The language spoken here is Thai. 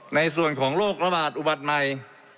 ในส่วนของโรคระบาดอุบัติใหม่